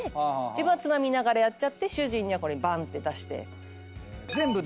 自分はつまみながらやっちゃって主人にはこればんって出して。